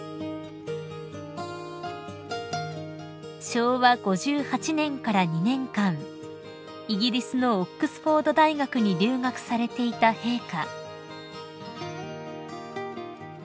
［昭和５８年から２年間イギリスのオックスフォード大学に留学されていた陛下］